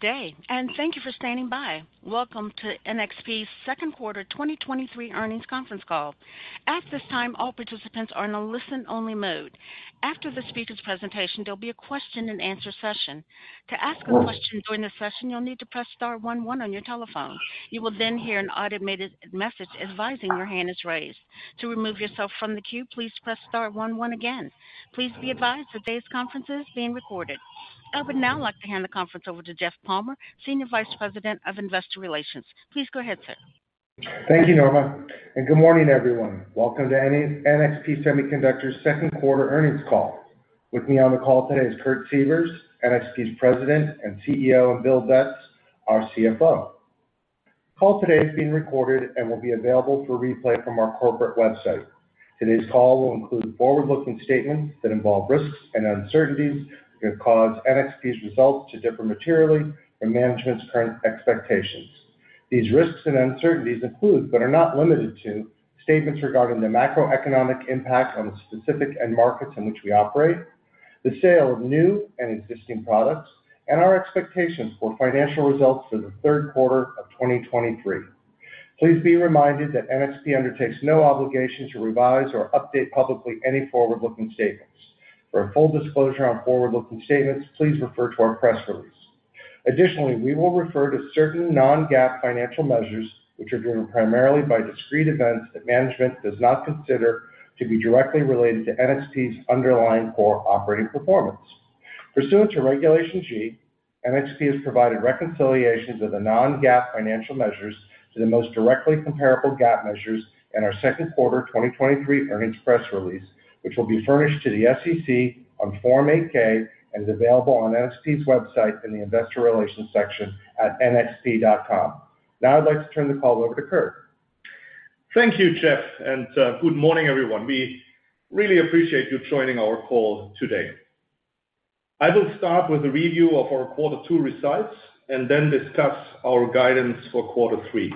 Good day. Thank you for standing by. Welcome to NXP's Q2 2023 Earnings Conference Call. At this time, all participants are in a listen-only mode. After the speaker's presentation, there'll be a question-and-answer session. To ask a question during the session, you'll need to press star one one on your telephone. You will hear an automated message advising your hand is raised. To remove yourself from the queue, please press star one one again. Please be advised, today's conference is being recorded. I would now like to hand the conference over to Jeff Palmer, Senior Vice President of Investor Relations. Please go ahead, sir. Thank you, Norma, and good morning, everyone. Welcome to NXP Semiconductors Q2 Earnings Call. With me on the call today is Kurt Sievers, NXP's President and CEO, and Bill Betz, our CFO. The call today is being recorded and will be available for replay from our corporate website. Today's call will include forward-looking statements that involve risks and uncertainties that could cause NXP's results to differ materially from management's current expectations. These risks and uncertainties include, but are not limited to, statements regarding the macroeconomic impact on the specific end markets in which we operate, the sale of new and existing products, and our expectations for financial results for the Q3 of 2023. Please be reminded that NXP undertakes no obligation to revise or update publicly any forward-looking statements. For a full disclosure on forward-looking statements, please refer to our press release. Additionally, we will refer to certain non-GAAP financial measures, which are driven primarily by discrete events that management does not consider to be directly related to NXP's underlying core operating performance. Pursuant to Regulation G, NXP has provided reconciliations of the non-GAAP financial measures to the most directly comparable GAAP measures in our Q2 2023 earnings press release, which will be furnished to the SEC on Form 8-K and is available on NXP's website in the Investor Relations section at nxp.com. Now I'd like to turn the call over to Kurt. Thank you, Jeff, and good morning, everyone. We really appreciate you joining our call today. I will start with a review of our quarter two results, and then discuss our guidance for quarter three.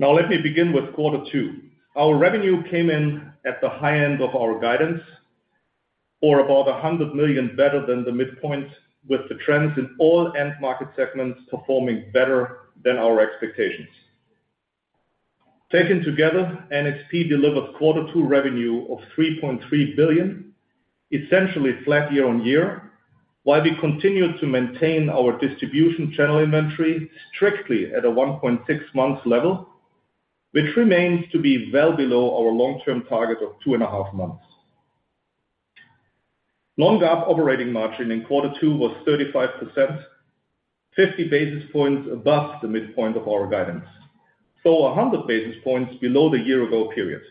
Let me begin with quarter two. Our revenue came in at the high end of our guidance, or about $100 million better than the midpoint, with the trends in all end market segments performing better than our expectations. Taken together, NXP delivered quarter two revenue of $3.3 billion, essentially flat year-on-year, while we continued to maintain our distribution channel inventory strictly at a 1.6 months level, which remains to be well below our long-term target of 2.5 months. Non-GAAP operating margin in quarter 2 was 35%, 50 basis points above the midpoint of our guidance, 100 basis points below the year-ago period.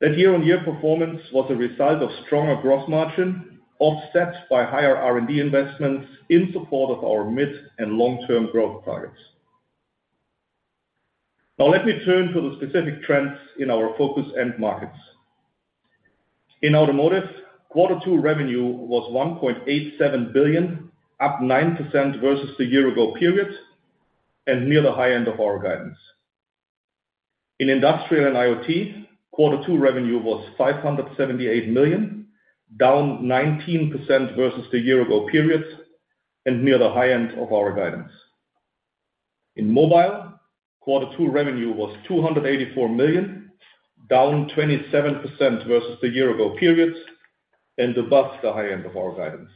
That year-on-year performance was a result of stronger gross margin, offset by higher R&D investments in support of our mid- and long-term growth targets. Let me turn to the specific trends in our focus end markets. In automotive, quarter 2 revenue was $1.87 billion, up 9% versus the year-ago period, and near the high end of our guidance. In industrial and IoT, quarter 2 revenue was $578 million, down 19% versus the year-ago period, and near the high end of our guidance. In mobile, quarter 2 revenue was $284 million, down 27% versus the year-ago period, and above the high end of our guidance.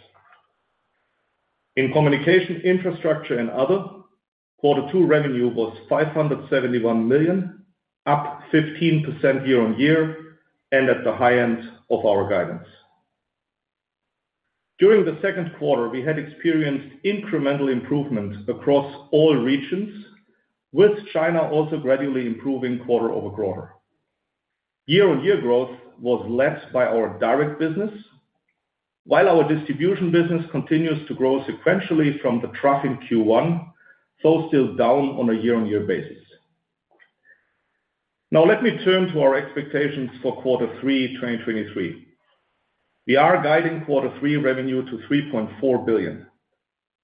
In communication, infrastructure, and other, quarter two revenue was $571 million, up 15% year-on-year, and at the high end of our guidance. During the Q2, we had experienced incremental improvements across all regions, with China also gradually improving quarter-over-quarter. Year-on-year growth was led by our direct business, while our distribution business continues to grow sequentially from the trough in Q1, though still down on a year-on-year basis. Now, let me turn to our expectations for quarter three, 2023. We are guiding quarter three revenue to $3.4 billion.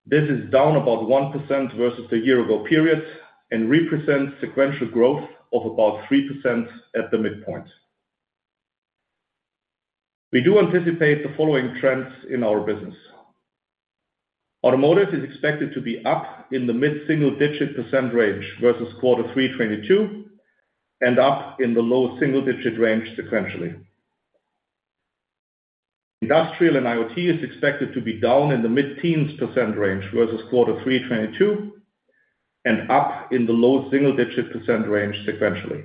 This is down about 1% versus the year ago period and represents sequential growth of about 3% at the midpoint. We do anticipate the following trends in our business. Automotive is expected to be up in the mid-single-digit % range versus quarter three 2022, and up in the low single-digit % range sequentially. Industrial and IoT is expected to be down in the mid-teens % range versus quarter three 2022, and up in the low single-digit % range sequentially.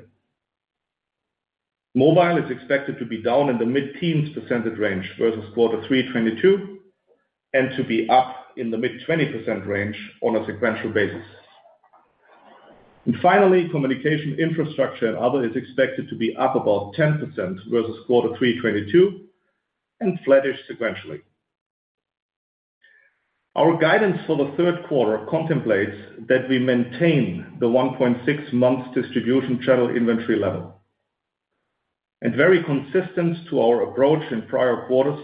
Mobile is expected to be down in the mid-teens % range versus quarter three 2022, and to be up in the mid-20% range on a sequential basis. Finally, communication, infrastructure, and other is expected to be up about 10% versus quarter three 2022 and flattish sequentially. Our guidance for the Q3 contemplates that we maintain the 1.6 months distribution channel inventory level. Very consistent to our approach in prior quarters,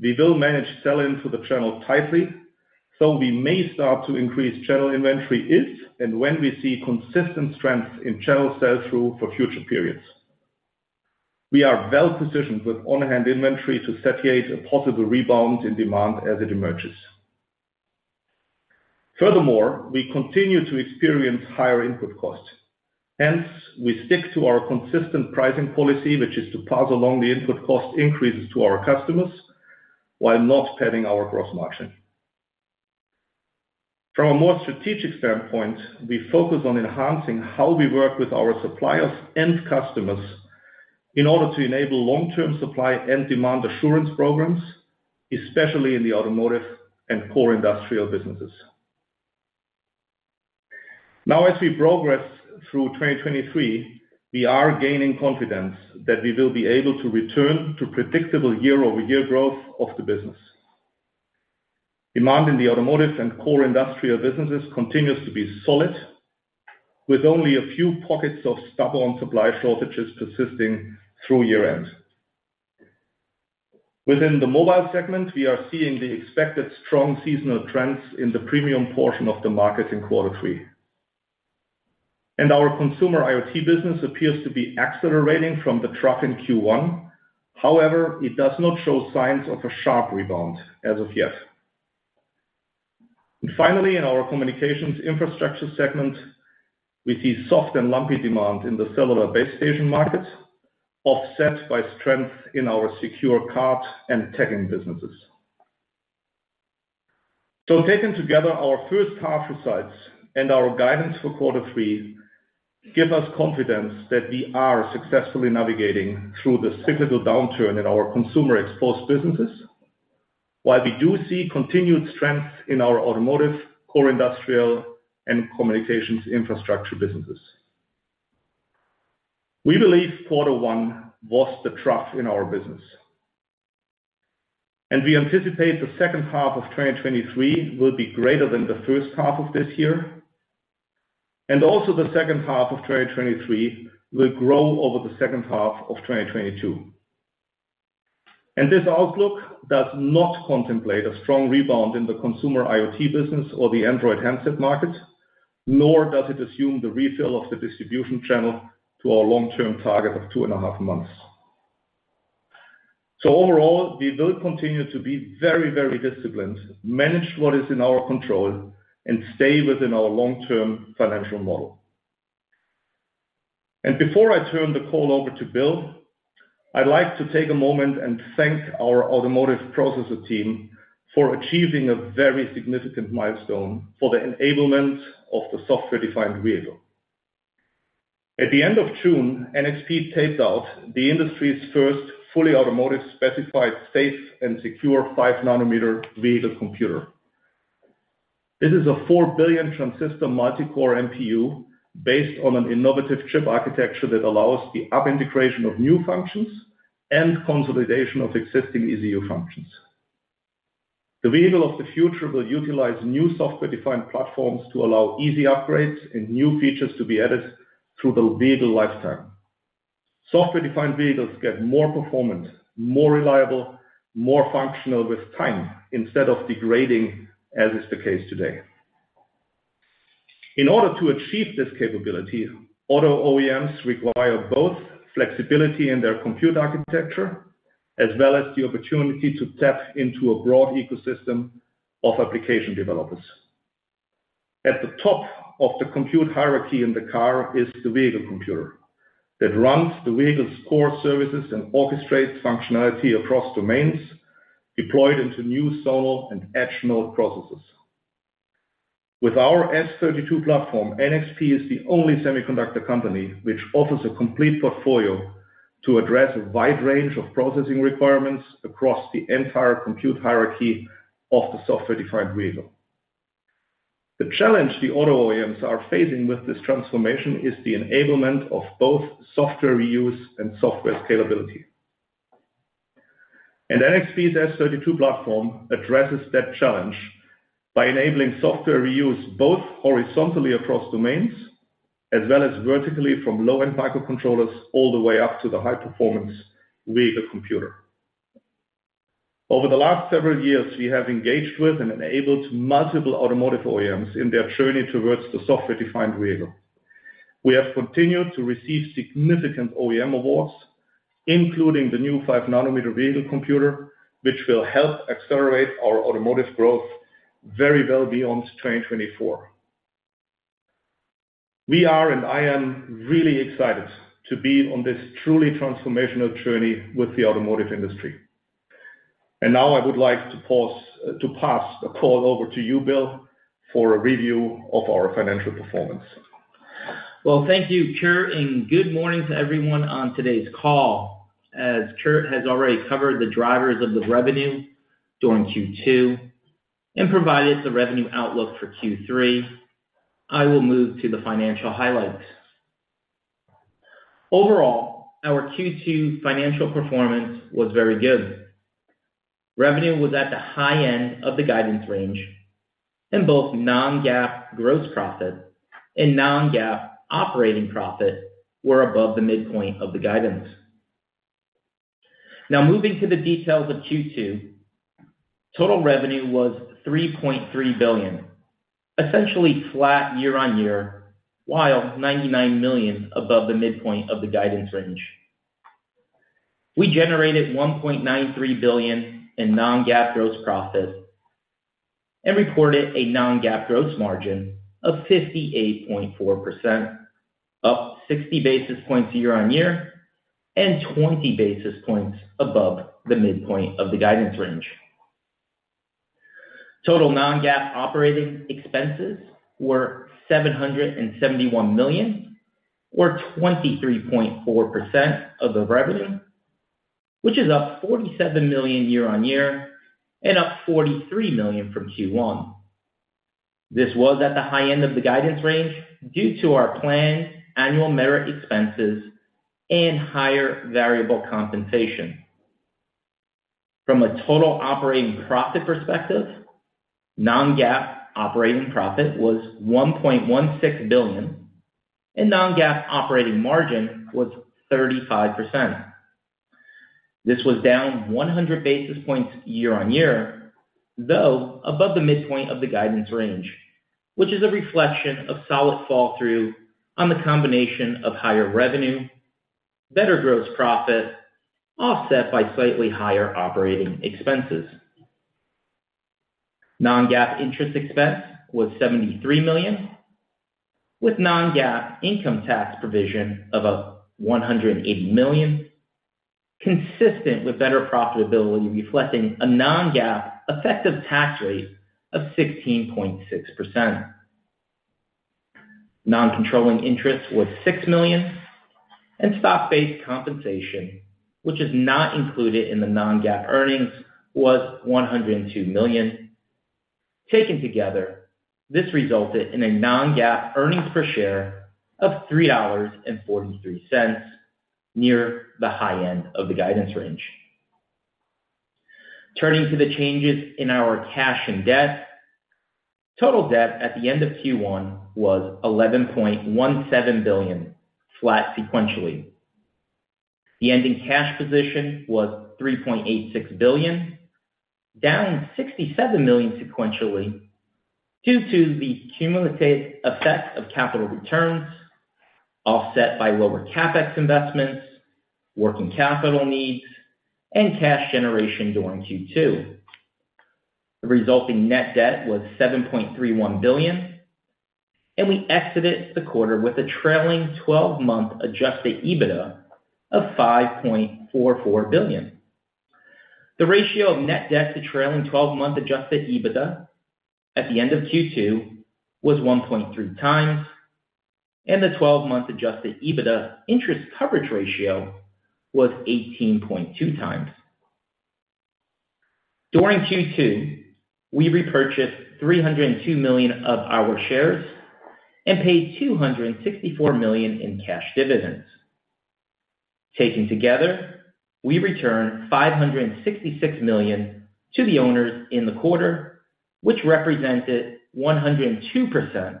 we will manage sell-in to the channel tightly, so we may start to increase channel inventory if and when we see consistent strength in channel sell-through for future periods. We are well positioned with on-hand inventory to satiate a possible rebound in demand as it emerges. Furthermore, we continue to experience higher input costs. Hence, we stick to our consistent pricing policy, which is to pass along the input cost increases to our customers while not padding our gross margin. From a more strategic standpoint, we focus on enhancing how we work with our suppliers and customers in order to enable long-term supply and demand assurance programs, especially in the automotive and core industrial businesses. Now, as we progress through 2023, we are gaining confidence that we will be able to return to predictable year-over-year growth of the business. Demand in the automotive and core industrial businesses continues to be solid, with only a few pockets of stubborn supply shortages persisting through year-end. Within the mobile segment, we are seeing the expected strong seasonal trends in the premium portion of the market in quarter three. Our consumer IoT business appears to be accelerating from the trough in Q1. However, it does not show signs of a sharp rebound as of yet. Finally, in our communications infrastructure segment, we see soft and lumpy demand in the cellular base station market, offset by strength in our secure card and tag businesses. Taken together, our first half results and our guidance for quarter three give us confidence that we are successfully navigating through the cyclical downturn in our consumer-exposed businesses, while we do see continued strength in our automotive, core industrial, and communications infrastructure businesses. We believe quarter one was the trough in our business, and we anticipate the second half of 2023 will be greater than the first half of this year, and also the second half of 2023 will grow over the second half of 2022. This outlook does not contemplate a strong rebound in the consumer IoT business or the Android handset market, nor does it assume the refill of the distribution channel to our long-term target of two and a half months. Overall, we will continue to be very disciplined, manage what is in our control, and stay within our long-term financial model. Before I turn the call over to Bill, I'd like to take a moment and thank our automotive processor team for achieving a very significant milestone for the enablement of the software-defined vehicle. At the end of June, NXP taped out the industry's first fully automotive-specified, safe, and secure 5-nanometer vehicle computer. This is a 4 billion transistor multi-core MPU based on an innovative chip architecture that allows the up integration of new functions and consolidation of existing ECU functions. The vehicle of the future will utilize new software-defined platforms to allow easy upgrades and new features to be added through the vehicle lifetime. Software-defined vehicles get more performant, more reliable, more functional with time instead of degrading, as is the case today. In order to achieve this capability, auto OEMs require both flexibility in their compute architecture, as well as the opportunity to tap into a broad ecosystem of application developers. At the top of the compute hierarchy in the car is the vehicle computer that runs the vehicle's core services and orchestrates functionality across domains deployed into new zonal and edge node processes. With our S32 platform, NXP is the only semiconductor company which offers a complete portfolio to address a wide range of processing requirements across the entire compute hierarchy of the software-defined vehicle. The challenge the auto OEMs are facing with this transformation is the enablement of both software reuse and software scalability. NXP's S32 platform addresses that challenge by enabling software reuse, both horizontally across domains, as well as vertically from low-end microcontrollers all the way up to the high-performance vehicle computer. Over the last several years, we have engaged with and enabled multiple automotive OEMs in their journey towards the software-defined vehicle. We have continued to receive significant OEM awards, including the new 5-nanometer vehicle computer, which will help accelerate our automotive growth very well beyond 2024. We are, and I am really excited to be on this truly transformational journey with the automotive industry. Now I would like to pause to pass the call over to you, Bill, for a review of our financial performance. Well, thank you, Kurt, and good morning to everyone on today's call. As Kurt has already covered the drivers of the revenue during Q2 and provided the revenue outlook for Q3, I will move to the financial highlights. Overall, our Q2 financial performance was very good. Revenue was at the high end of the guidance range, and both non-GAAP gross profit and non-GAAP operating profit were above the midpoint of the guidance. Now moving to the details of Q2. Total revenue was $3.3 billion, essentially flat year-on-year, while $99 million above the midpoint of the guidance range. We generated $1.93 billion in non-GAAP gross profit and reported a non-GAAP gross margin of 58.4%, up 60 basis points year-on-year, and 20 basis points above the midpoint of the guidance range. Total non-GAAP operating expenses were $771 million, or 23.4% of the revenue, which is up $47 million year-on-year and up $43 million from Q1. This was at the high end of the guidance range due to our planned annual merit expenses and higher variable compensation. From a total operating profit perspective, non-GAAP operating profit was $1.16 billion, and non-GAAP operating margin was 35%. This was down 100 basis points year-on-year, though above the midpoint of the guidance range, which is a reflection of solid fall through on the combination of higher revenue, better gross profit, offset by slightly higher operating expenses. Non-GAAP interest expense was $73 million, with non-GAAP income tax provision of $180 million, consistent with better profitability, reflecting a non-GAAP effective tax rate of 16.6%. Non-controlling interest was $6 million, and stock-based compensation, which is not included in the non-GAAP earnings, was $102 million. Taken together, this resulted in a non-GAAP earnings per share of $3.43, near the high end of the guidance range. Turning to the changes in our cash and debt. Total debt at the end of Q1 was $11.17 billion, flat sequentially. The ending cash position was $3.86 billion, down $67 million sequentially, due to the cumulative effect of capital returns, offset by lower CapEx investments, working capital needs, and cash generation during Q2. The resulting net debt was $7.31 billion, and we exited the quarter with a trailing twelve-month adjusted EBITDA of $5.44 billion. The ratio of net debt to trailing twelve-month adjusted EBITDA at the end of Q2 was 1.3x, and the twelve-month adjusted EBITDA interest coverage ratio was 18.2x. During Q2, we repurchased $302 million of our shares and paid $264 million in cash dividends. Taken together, we returned $566 million to the owners in the quarter, which represented 102%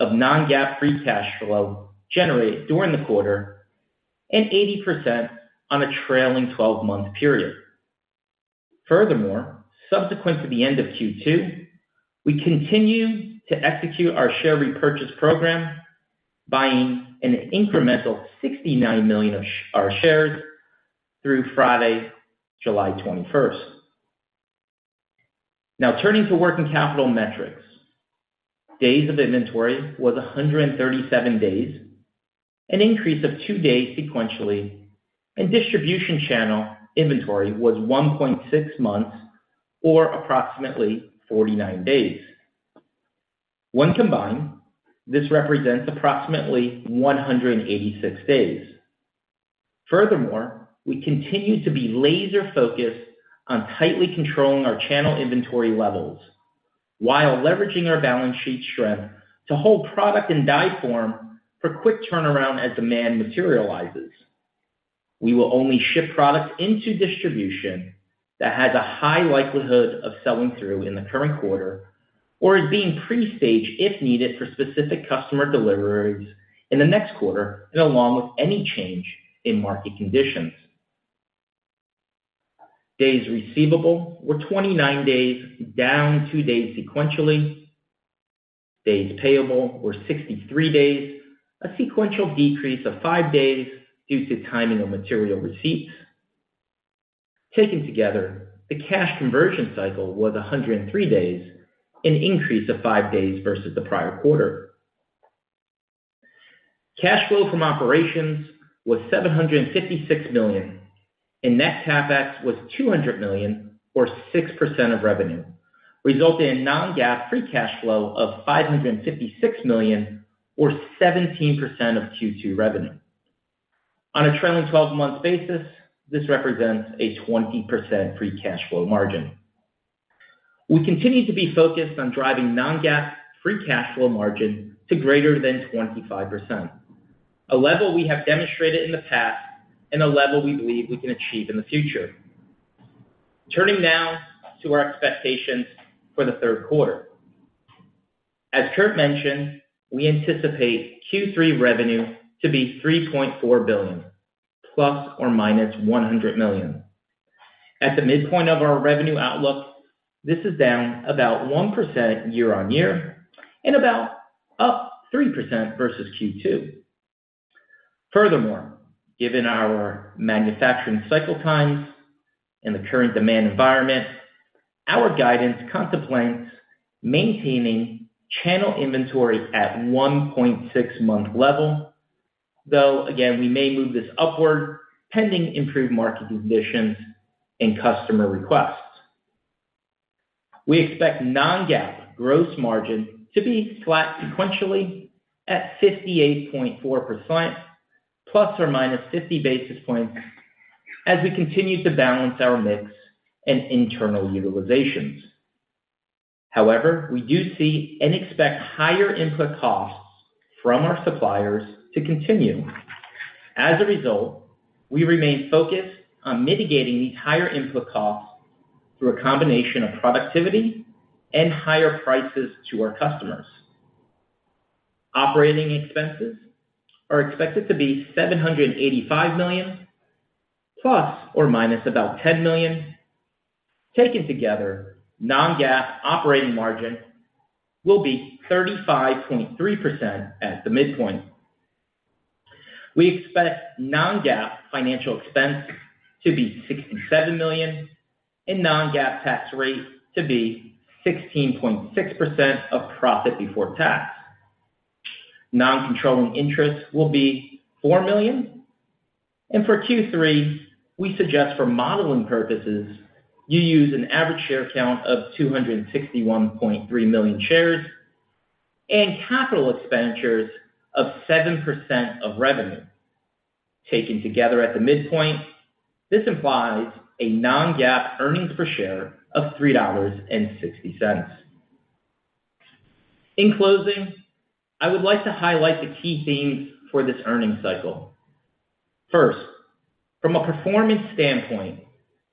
of non-GAAP free cash flow generated during the quarter and 80% on a trailing twelve-month period. Furthermore, subsequent to the end of Q2, we continued to execute our share repurchase program, buying an incremental $69 million of our shares through Friday, July 21st. Now, turning to working capital metrics. Days of inventory was 137 days, an increase of 2 days sequentially, and distribution channel inventory was 1.6 months, or approximately 49 days. When combined, this represents approximately 186 days. Furthermore, we continue to be laser focused on tightly controlling our channel inventory levels while leveraging our balance sheet strength to hold product in die form for quick turnaround as demand materializes. We will only ship products into distribution that has a high likelihood of selling through in the current quarter or is being pre-staged, if needed, for specific customer deliveries in the next quarter and along with any change in market conditions. Days receivable were 29 days, down 2 days sequentially. Days payable were 63 days, a sequential decrease of 5 days due to timing of material receipts. Taken together, the cash conversion cycle was 103 days, an increase of five days versus the prior quarter. Cash flow from operations was $756 million, and net CapEx was $200 million, or 6% of revenue, resulting in non-GAAP free cash flow of $556 million, or 17% of Q2 revenue. On a trailing twelve-month basis, this represents a 20% free cash flow margin. We continue to be focused on driving non-GAAP free cash flow margin to greater than 25%, a level we have demonstrated in the past and a level we believe we can achieve in the future. Turning now to our expectations for the Q3. as Kurt mentioned, we anticipate Q3 revenue to be $3.4 billion, ±$100 million. At the midpoint of our revenue outlook, this is down about 1% year-on-year and about up 3% versus Q2. Given our manufacturing cycle times and the current demand environment, our guidance contemplates maintaining channel inventory at 1.6 month level, though, again, we may move this upward pending improved market conditions and customer requests. We expect non-GAAP gross margin to be flat sequentially at 58.4%, ±50 basis points, as we continue to balance our mix and internal utilizations. We do see and expect higher input costs from our suppliers to continue. We remain focused on mitigating these higher input costs through a combination of productivity and higher prices to our customers. Operating expenses are expected to be $785 million, ±$10 million. Taken together, non-GAAP operating margin will be 35.3% at the midpoint. We expect non-GAAP financial expense to be $67 million and non-GAAP tax rate to be 16.6% of profit before tax. Non-controlling interest will be $4 million, and for Q3, we suggest for modeling purposes, you use an average share count of 261.3 million shares and CapEx of 7% of revenue. Taken together at the midpoint, this implies a non-GAAP earnings per share of $3.60. In closing, I would like to highlight the key themes for this earnings cycle. First, from a performance standpoint,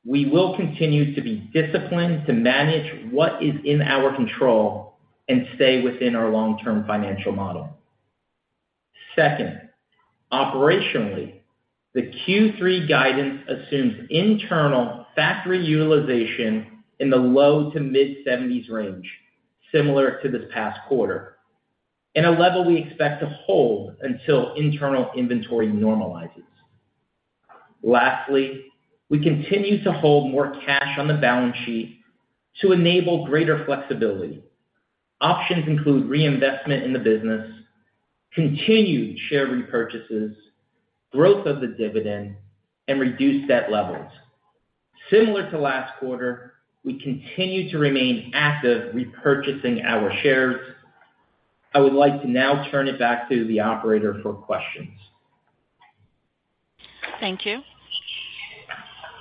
we will continue to be disciplined to manage what is in our control and stay within our long-term financial model. Second, operationally, the Q3 guidance assumes internal factory utilization in the low to mid-70s range, similar to this past quarter, and a level we expect to hold until internal inventory normalizes. Lastly, we continue to hold more cash on the balance sheet to enable greater flexibility. Options include reinvestment in the business, continued share repurchases, growth of the dividend, and reduce debt levels. Similar to last quarter, we continue to remain active repurchasing our shares. I would like to now turn it back to the operator for questions. Thank you.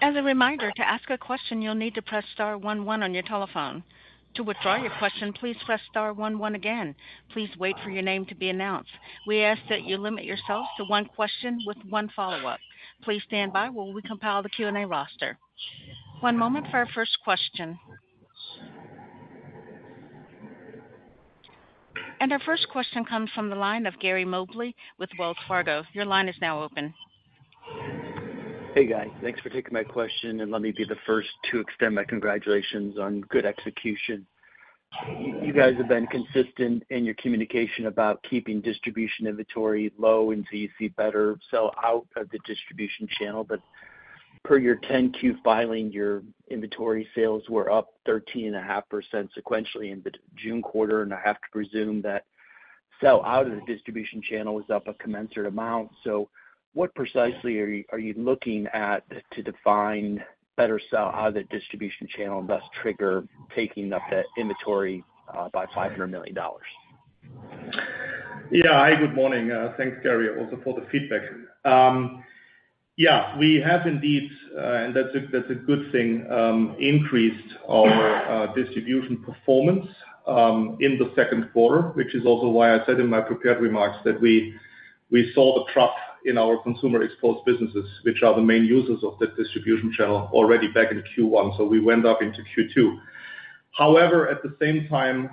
As a reminder, to ask a question, you'll need to press star one one on your telephone. To withdraw your question, please press star one one again. Please wait for your name to be announced. We ask that you limit yourself to one question with one follow-up. Please stand by while we compile the Q&A roster. One moment for our first question. Our first question comes from the line of Gary Mobley with Wells Fargo. Your line is now open. Hey, guys. Thanks for taking my question. Let me be the first to extend my congratulations on good execution. You guys have been consistent in your communication about keeping distribution inventory low until you see better sell out of the distribution channel. Per your 10-Q filing, your inventory sales were up 13.5% sequentially in the June quarter. I have to presume that sell out of the distribution channel was up a commensurate amount. What precisely are you looking at to define better sell out of the distribution channel and thus trigger taking up that inventory by $500 million? Hi, good morning. Thanks, Gary, also for the feedback. We have indeed, and that's a, that's a good thing, increased our distribution performance in the Q2, which is also why I said in my prepared remarks that we saw the trough in our consumer exposed businesses, which are the main users of the distribution channel already back in Q1, we went up into Q2. At the same time,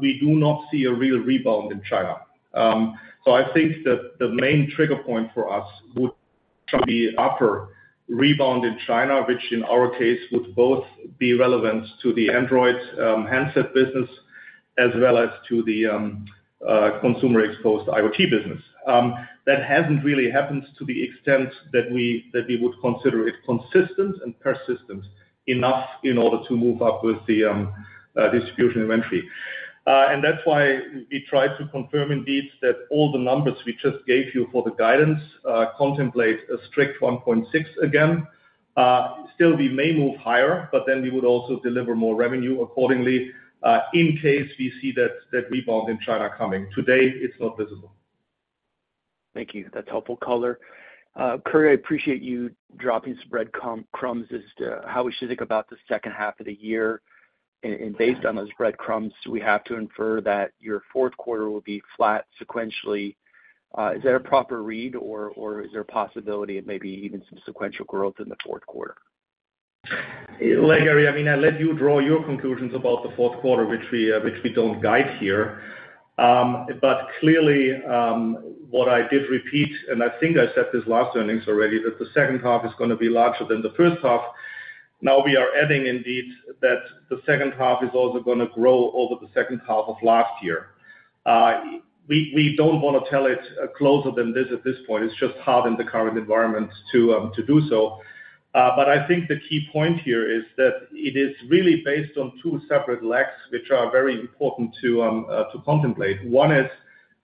we do not see a real rebound in China. I think that the main trigger point for us would be upper rebound in China, which in our case, would both be relevant to the Android handset business as well as to the consumer exposed IoT business. That hasn't really happened to the extent that we would consider it consistent and persistent enough in order to move up with the distribution inventory. That's why we tried to confirm indeed, that all the numbers we just gave you for the guidance contemplate a strict 1.6 again. Still we may move higher, we would also deliver more revenue accordingly, in case we see that rebound in China coming. Today, it's not visible. Thank you. That's helpful color. Kurt, I appreciate you dropping some breadcrumbs as to how we should think about the second half of the year. Based on those breadcrumbs, do we have to infer that your Q4 will be flat sequentially? Is that a proper read, or is there a possibility of maybe even some sequential growth in the Q4? Look, Gary, I mean, I'll let you draw your conclusions about the Q4, which we don't guide here. Clearly, what I did repeat, and I think I said this last earnings already, that the second half is gonna be larger than the first half. Now we are adding indeed, that the second half is also gonna grow over the second half of last year. We don't want to tell it closer than this at this point. It's just hard in the current environment to do so. I think the key point here is that it is really based on two separate legs, which are very important to contemplate. One is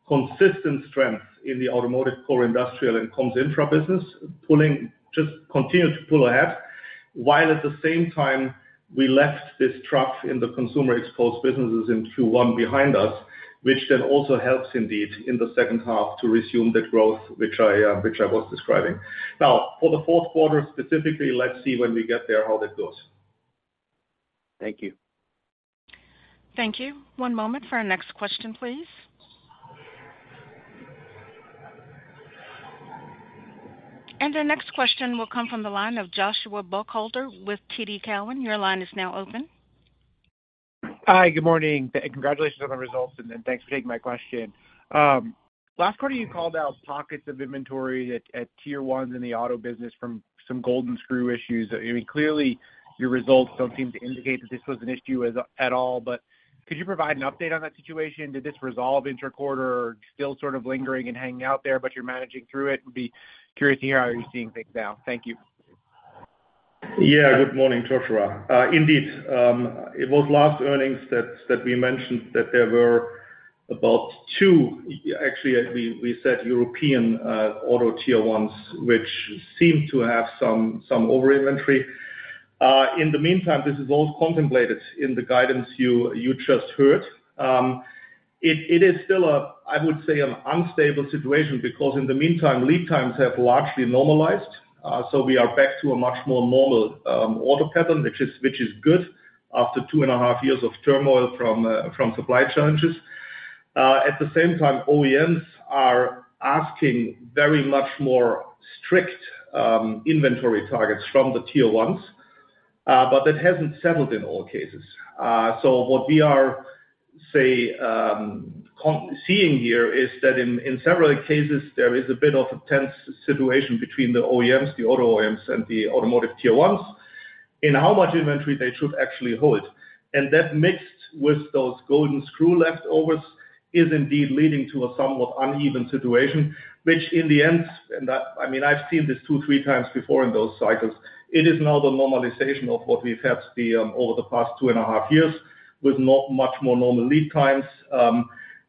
consistent strength in the automotive core, industrial, and comms infra business, just continue to pull ahead. At the same time, we left this trough in the consumer exposed businesses in Q1 behind us, which then also helps indeed in the second half to resume the growth, which I was describing. For the Q4, specifically, let's see when we get there, how that goes. Thank you. Thank you. One moment for our next question, please. Our next question will come from the line of Joshua Buchalter with TD Cowen. Your line is now open. Hi, good morning. Congratulations on the results, and then thanks for taking my question. Last quarter, you called out pockets of inventory at tier ones in the auto business from some golden screw issues. I mean, clearly, your results don't seem to indicate that this was an issue at all, but could you provide an update on that situation? Did this resolve interquarter or still sort of lingering and hanging out there, but you're managing through it? Would be curious to hear how you're seeing things now. Thank you. Good morning, Joshua. Indeed, it was last earnings that we mentioned that there were about 2. Actually, we said European auto tier ones, which seem to have some over inventory. In the meantime, this is all contemplated in the guidance you just heard. It is still a, I would say, an unstable situation because in the meantime, lead times have largely normalized, so we are back to a much more normal order pattern, which is good after 2.5 years of turmoil from supply challenges. At the same time, OEMs are asking very much more strict inventory targets from the tier ones, but that hasn't settled in all cases. What we are seeing here is that in several cases, there is a bit of a tense situation between the OEMs, the auto OEMs, and the automotive tier ones, in how much inventory they should actually hold. That, mixed with those golden screw leftovers, is indeed leading to a somewhat uneven situation, which in the end, and I mean, I've seen this 2, 3 times before in those cycles, it is now the normalization of what we've had the over the past 2 and a half years, with not much more normal lead times.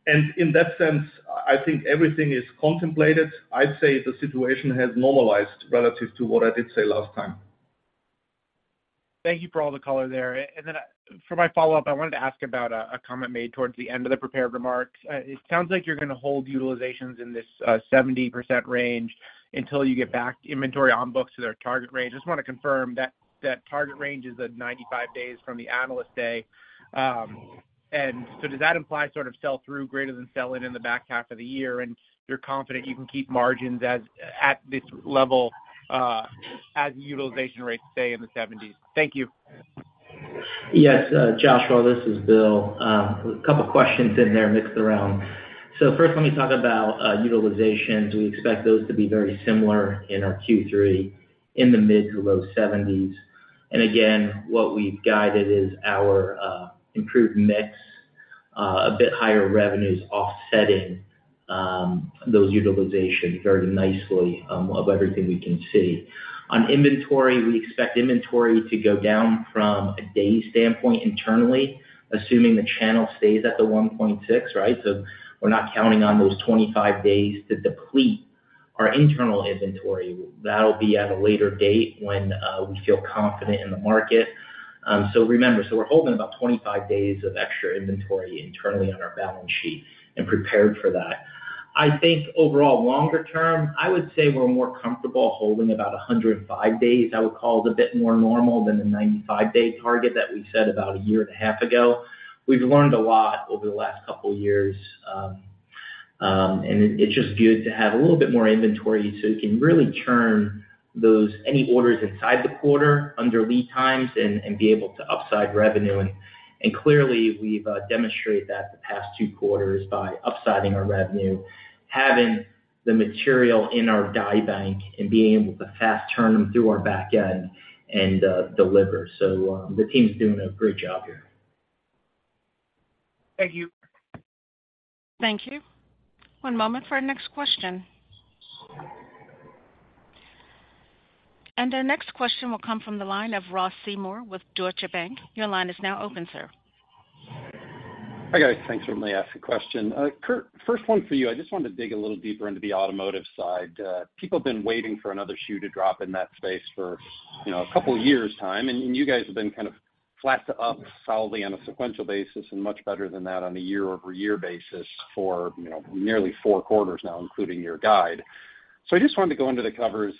In that sense, I think everything is contemplated. I'd say the situation has normalized relative to what I did say last time. Thank you for all the color there. For my follow-up, I wanted to ask about a comment made towards the end of the prepared remarks. It sounds like you're gonna hold utilizations in this 70% range until you get back inventory on books to their target range. I just wanna confirm that that target range is at 95 days from the Analyst Day. Does that imply sort of sell-through greater than sell-in in the back half of the year, and you're confident you can keep margins at this level, as utilization rates stay in the 70s? Thank you. Yes, Joshua, this is Bill. A couple of questions in there mixed around. First, let me talk about utilizations. We expect those to be very similar in our Q3, in the mid to low 70s. Again, what we've guided is our improved mix, a bit higher revenues offsetting those utilization very nicely of everything we can see. On inventory, we expect inventory to go down from a day standpoint internally, assuming the channel stays at the 1.6, right? We're not counting on those 25 days to deplete our internal inventory. That'll be at a later date when we feel confident in the market. Remember, we're holding about 25 days of extra inventory internally on our balance sheet and prepared for that. I think overall, longer term, I would say we're more comfortable holding about 105 days. I would call it a bit more normal than the 95-day target that we set about a year and a half ago. We've learned a lot over the last couple of years, and it's just good to have a little bit more inventory, so we can really turn those, any orders inside the quarter under lead times and be able to upside revenue. Clearly, we've demonstrated that the past 2 quarters by upsiding our revenue, having the material in our die bank and being able to fast turn them through our back end and deliver. The team's doing a great job here. Thank you. Thank you. One moment for our next question. Our next question will come from the line of Ross Seymore with Deutsche Bank. Your line is now open, sir. Hi, guys. Thanks for letting me ask a question. Kurt, first one for you. I just wanted to dig a little deeper into the automotive side. People have been waiting for another shoe to drop in that space for, you know, a couple of years' time. You guys have been kind of flat to up solidly on a sequential basis and much better than that on a year-over-year basis for, you know, nearly 4 quarters now, including your guide. I just wanted to go under the covers.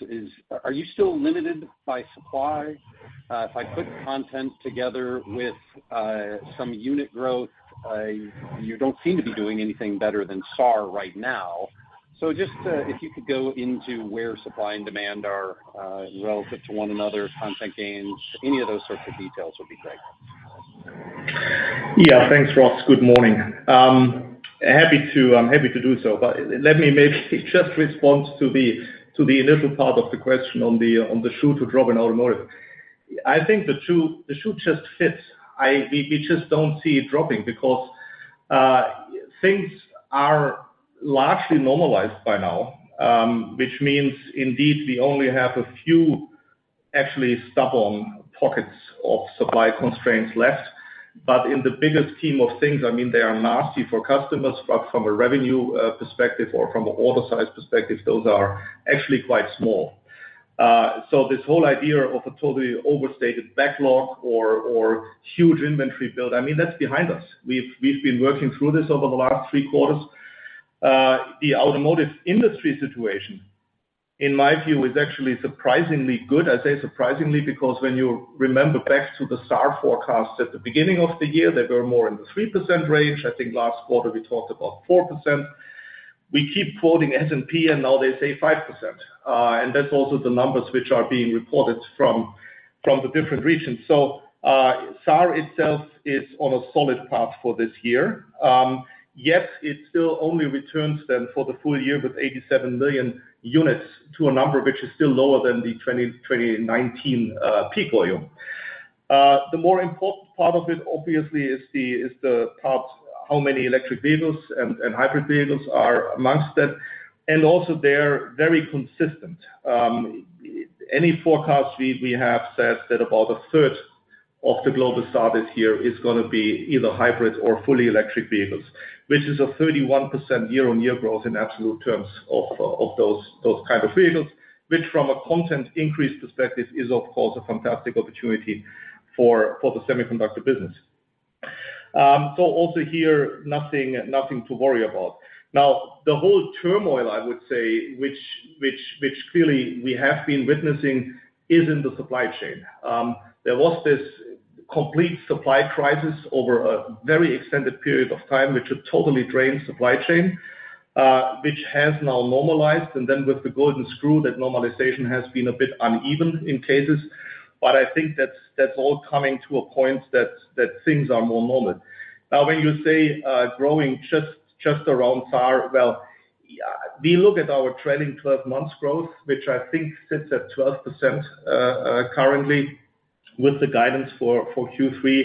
Are you still limited by supply? If I put content together with some unit growth, you don't seem to be doing anything better than SAAR right now. Just, if you could go into where supply and demand are relative to one another, content gains, any of those sorts of details would be great. Thanks, Ross. Good morning. I'm happy to do so. Let me maybe just respond to the initial part of the question on the shoe to drop in automotive. I think the shoe just fits. We just don't see it dropping because things are largely normalized by now, which means indeed, we only have a few actually stubborn pockets of supply constraints left. In the bigger scheme of things, I mean, they are nasty for customers, but from a revenue perspective or from an order size perspective, those are actually quite small. This whole idea of a totally overstated backlog or huge inventory build, I mean, that's behind us. We've been working through this over the last three quarters. The automotive industry situation, in my view, is actually surprisingly good. I say surprisingly, because when you remember back to the SAAR forecast at the beginning of the year, they were more in the 3% range. I think last quarter we talked about 4%. We keep quoting S&P, and now they say 5%, and that's also the numbers which are being reported from the different regions. SAAR itself is on a solid path for this year. Yes, it still only returns then for the full year, with 87 million units to a number which is still lower than the 2019 peak volume. The more important part of it, obviously, is the part, how many electric vehicles and hybrid vehicles are amongst that, and also they're very consistent. Any forecast we have says that about a third of the global started here is gonna be either hybrid or fully electric vehicles, which is a 31% year-on-year growth in absolute terms of those type of vehicles, which from a content increase perspective, is of course, a fantastic opportunity for the semiconductor business. Also here, nothing to worry about. Now, the whole turmoil, I would say, which clearly we have been witnessing, is in the supply chain. There was this complete supply crisis over a very extended period of time, which would totally drain supply chain, which has now normalized, and then with the golden screw, that normalization has been a bit uneven in cases. I think that's all coming to a point that things are more normal. Now, when you say, growing just around SAAR, well, yeah, we look at our trailing 12 months growth, which I think sits at 12%, currently, with the guidance for Q3,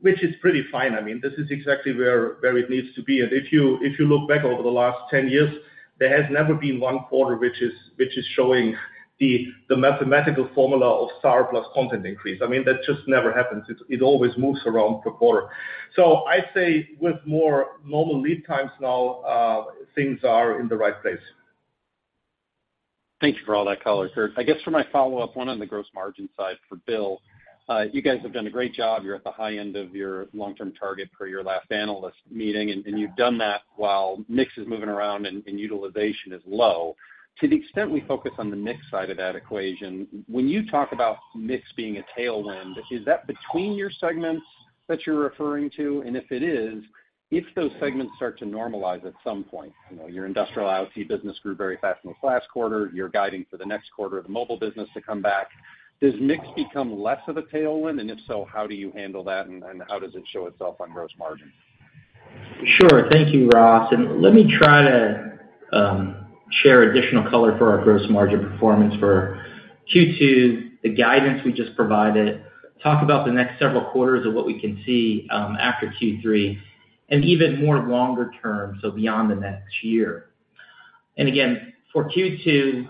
which is pretty fine. I mean, this is exactly where it needs to be. If you, if you look back over the last 10 years, there has never been 1 quarter, which is showing the mathematical formula of SAAR plus content increase. I mean, that just never happens. It always moves around per quarter. I say with more normal lead times now, things are in the right place. Thank you for all that color, Kurt. I guess for my follow-up, one on the gross margin side for Bill. You guys have done a great job. You're at the high end of your long-term target per your last analyst meeting, and you've done that while mix is moving around and utilization is low. To the extent we focus on the mix side of that equation, when you talk about mix being a tailwind, is that between your segments that you're referring to? If it is, if those segments start to normalize at some point, you know, your industrial IoT business grew very fast in this last quarter. You're guiding for the next quarter of the mobile business to come back. Does mix become less of a tailwind? And if so, how do you handle that, and how does it show itself on gross margin? Sure. Thank you, Ross, let me try to share additional color for our gross margin performance for Q2, the guidance we just provided, talk about the next several quarters of what we can see after Q3, even more longer term, so beyond the next year. For Q2,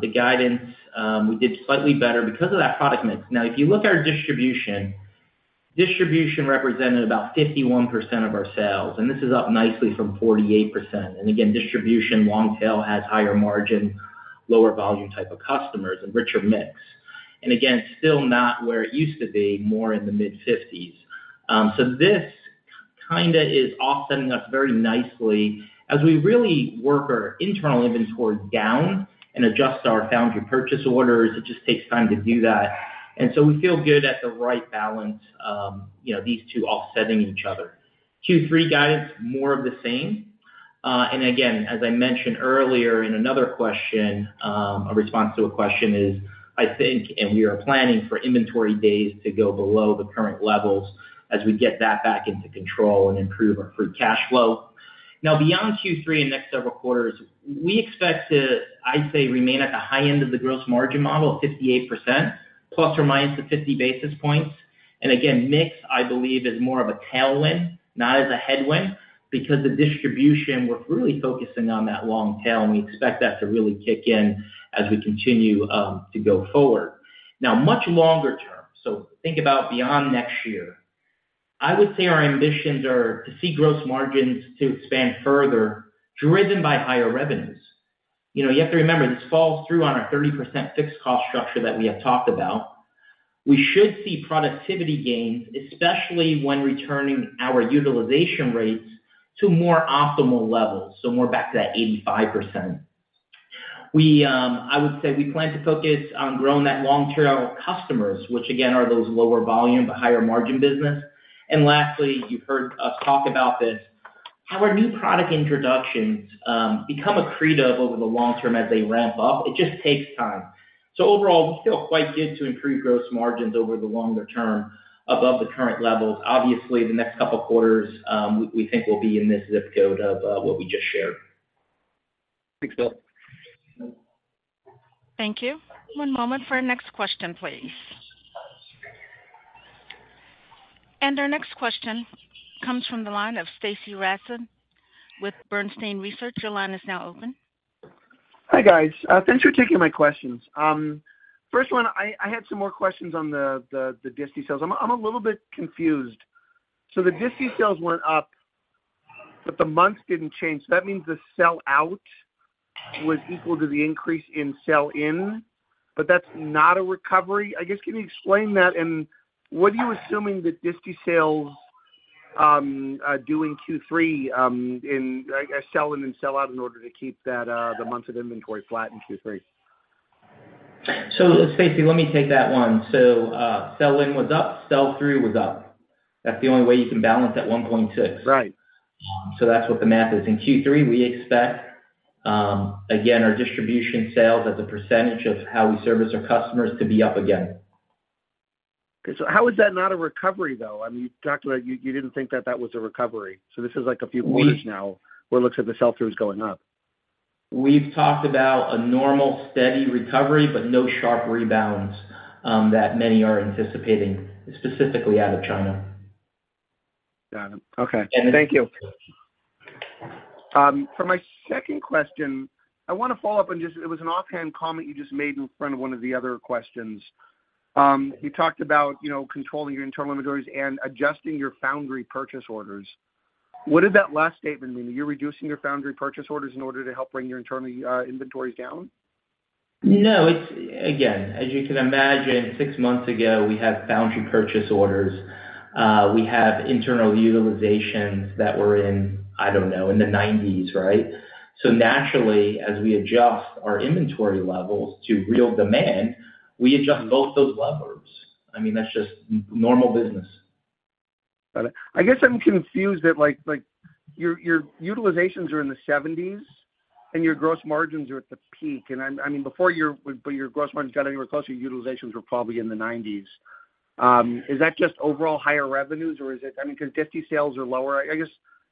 the guidance, we did slightly better because of that product mix. If you look at our distribution represented about 51% of our sales, this is up nicely from 48%. Distribution, long tail, has higher margin, lower volume type of customers, a richer mix. Still not where it used to be, more in the mid-50s. This kinda is offsetting us very nicely as we really work our internal inventory down and adjust our foundry purchase orders. It just takes time to do that, and so we feel good at the right balance, you know, these two offsetting each other. Q3 guidance, more of the same. Again, as I mentioned earlier in another question, a response to a question is, I think, and we are planning for inventory days to go below the current levels as we get that back into control and improve our free cash flow. Now, beyond Q3 and next several quarters, we expect to, I'd say, remain at the high end of the gross margin model of 58% ± 50 basis points. Again, mix, I believe, is more of a tailwind, not as a headwind, because the distribution, we're really focusing on that long tail, and we expect that to really kick in as we continue to go forward. Much longer term, so think about beyond next year, I would say our ambitions are to see gross margins to expand further, driven by higher revenues. You know, you have to remember, this falls through on our 30% fixed cost structure that we have talked about. We should see productivity gains, especially when returning our utilization rates to more optimal levels, so more back to that 85%. We, I would say we plan to focus on growing that long-term customers, which again, are those lower volume but higher margin business. Lastly, you've heard us talk about this, how our new product introductions become accretive over the long term as they ramp up. It just takes time. Overall, we feel quite good to improve gross margins over the longer term above the current levels. Obviously, the next couple of quarters, we think will be in this ZIP code of what we just shared. Thanks, Bill. Thank you. One moment for our next question, please. Our next question comes from the line of Stacy Rasgon with Bernstein Research. Your line is now open. Hi, guys. Thanks for taking my questions. First one, I had some more questions on the disty sales. I'm a little bit confused. The disty sales went up, but the months didn't change. That means the sell out was equal to the increase in sell in, but that's not a recovery? I guess, can you explain that, and what are you assuming the disty sales do in Q3, in sell in and sell out in order to keep that the months of inventory flat in Q3? Stacy, let me take that one. Sell in was up, sell through was up. That's the only way you can balance that 1.6. Right. That's what the math is. In Q3, we expect again, our distribution sales as a % of how we service our customers to be up again. Okay. How is that not a recovery, though? I mean, you talked about you didn't think that that was a recovery. This is like a few quarters now. We- -where it looks like the sell-through is going up. We've talked about a normal, steady recovery, but no sharp rebounds, that many are anticipating, specifically out of China. Got it. Okay. And- Thank you. for my second question, I wanna follow up on just it was an offhand comment you just made in front of one of the other questions. you talked about, you know, controlling your internal inventories and adjusting your foundry purchase orders. What did that last statement mean? Are you reducing your foundry purchase orders in order to help bring your internal inventories down? No. It's, again, as you can imagine, 6 months ago, we had foundry purchase orders. We had internal utilizations that were in, I don't know, in the 90s, right? Naturally, as we adjust our inventory levels to real demand, we adjust both those levers. I mean, that's just normal business. Got it. I guess I'm confused that, like, your utilizations are in the 70s, and your gross margins are at the peak. I mean, before your gross margins got anywhere close, your utilizations were probably in the 90s. Is that just overall higher revenues, or is it? I mean, 'cause disty sales are lower. I guess,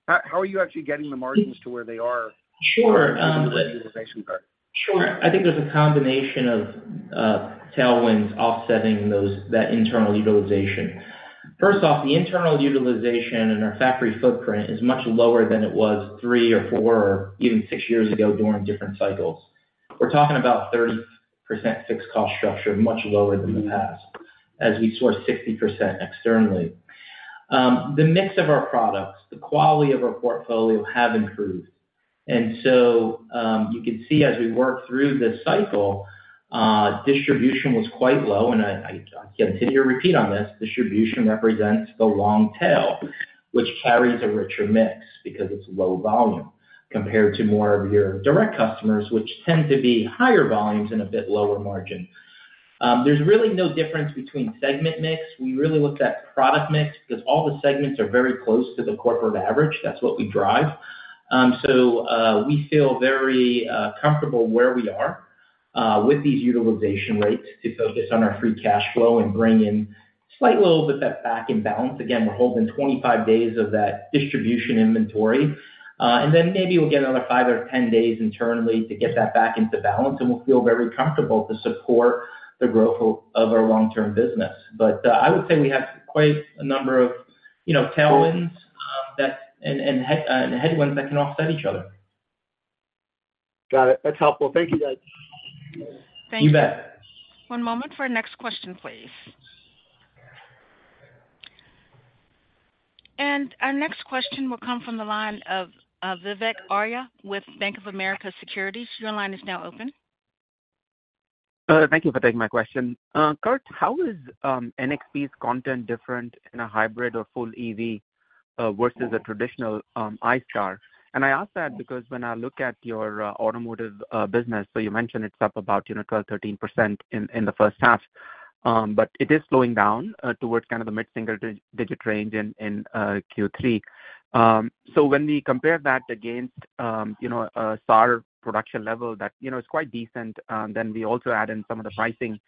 how are you actually getting the margins to where they are? Sure, Utilization are. Sure. I think there's a combination of tailwinds offsetting those, that internal utilization. First off, the internal utilization in our factory footprint is much lower than it was 3 or 4, or even 6 years ago during different cycles. We're talking about 30% fixed cost structure, much lower than the past, as we source 60% externally. The mix of our products, the quality of our portfolio have improved. You can see as we work through this cycle, distribution was quite low, and I continue to repeat on this, distribution represents the long tail, which carries a richer mix because it's low volume compared to more of your direct customers, which tend to be higher volumes and a bit lower margin. There's really no difference between segment mix. We really look at product mix because all the segments are very close to the corporate average. That's what we drive. We feel very comfortable where we are with these utilization rates to focus on our free cash flow and bring in slightly a little bit that back in balance. Again, we're holding 25 days of that distribution inventory, and then maybe we'll get another 5 or 10 days internally to get that back into balance, and we'll feel very comfortable to support the growth of our long-term business. I would say we have quite a number of, you know, tailwinds, that and headwinds that can offset each other. Got it. That's helpful. Thank you, guys. You bet. One moment for our next question, please. Our next question will come from the line of Vivek Arya with Bank of America Securities. Your line is now open. Thank you for taking my question. Kurt, how is NXP's content different in a hybrid or full EV versus a traditional ICE car? I ask that because when I look at your automotive business, you mentioned it's up about, you know, 12%, 13% in the first half. It is slowing down towards kind of the mid-single digit range in Q3. When we compare that against, you know, a star production level, that, you know, it's quite decent, we also add in some of the pricing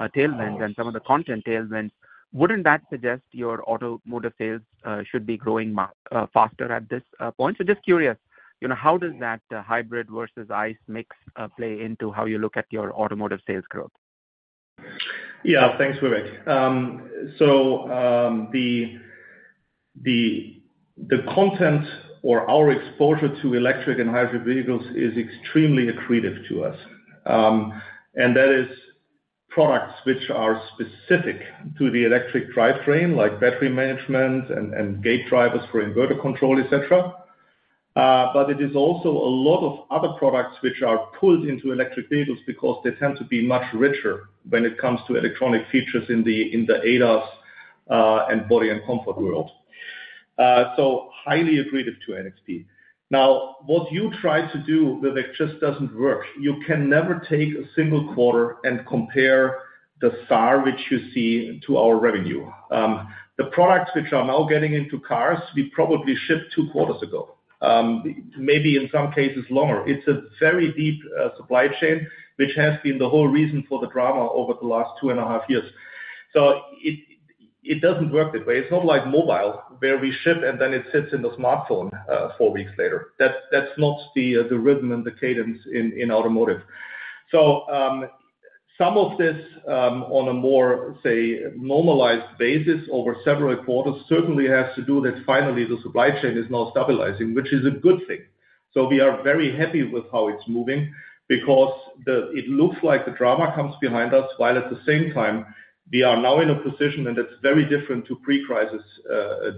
tailwinds and some of the content tailwinds. Wouldn't that suggest your automotive sales should be growing faster at this point? Just curious, you know, how does that hybrid versus ICE mix play into how you look at your automotive sales growth? Thanks, Vivek. The content or our exposure to electric and hybrid vehicles is extremely accretive to us. That is products which are specific to the electric drivetrain, like battery management and gate drivers for inverter control, et cetera. It is also a lot of other products which are pulled into electric vehicles because they tend to be much richer when it comes to electronic features in the ADAS and body and comfort world. Highly accretive to NXP. Now, what you try to do, Vivek, just doesn't work. You can never take a single quarter and compare the SAAR which you see to our revenue. The products which are now getting into cars, we probably shipped 2 quarters ago, maybe in some cases longer. It's a very deep supply chain, which has been the whole reason for the drama over the last 2.5 years. It doesn't work that way. It's not like mobile, where we ship, and then it sits in the smartphone, 4 weeks later. That's not the rhythm and the cadence in automotive. Some of this, on a more, say, normalized basis over several quarters, certainly has to do with finally, the supply chain is now stabilizing, which is a good thing. We are very happy with how it's moving because it looks like the drama comes behind us, while at the same time, we are now in a position, and it's very different to pre-crisis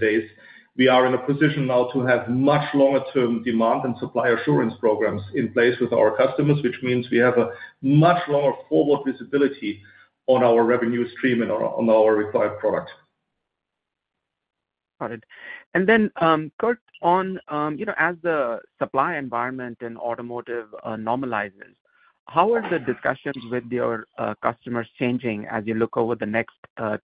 days. We are in a position now to have much longer term demand and supply assurance programs in place with our customers, which means we have a much longer forward visibility on our revenue stream and on our required product. Got it. Then, Kurt, on, you know, as the supply environment in automotive normalizes, how are the discussions with your customers changing as you look over the next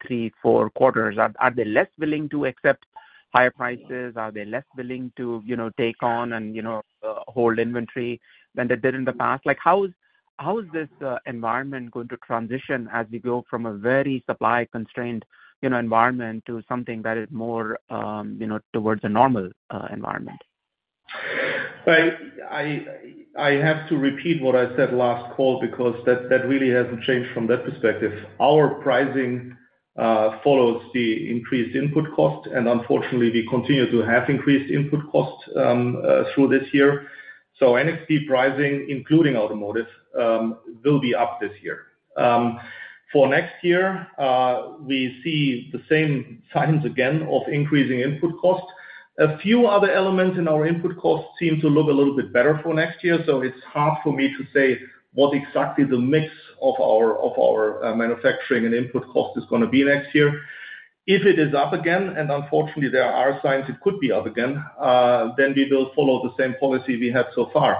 three, four quarters? Are they less willing to accept higher prices? Are they less willing to, you know, take on and, you know, hold inventory than they did in the past? Like, how is this environment going to transition as we go from a very supply constrained, you know, environment, to something that is more, you know, towards a normal environment? I have to repeat what I said last call, because that really hasn't changed from that perspective. Our pricing follows the increased input cost, and unfortunately, we continue to have increased input costs through this year. NXP pricing, including automotive, will be up this year. For next year, we see the same signs again of increasing input costs. A few other elements in our input costs seem to look a little bit better for next year, so it's hard for me to say what exactly the mix of our manufacturing and input cost is gonna be next year. If it is up again, and unfortunately there are signs it could be up again, then we will follow the same policy we have so far.